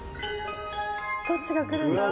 どっちが来るんだ？